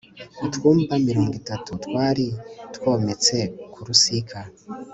utwumba mirongo itatu twari twometse ku rusika